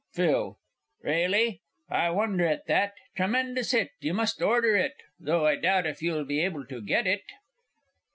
PHIL. Really? I wonder at that tremendous hit you must order it though I doubt if you'll be able to get it.